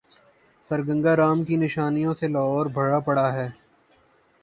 سرگنگا رام کی نشانیوں سے لاہور بھرا پڑا ہے۔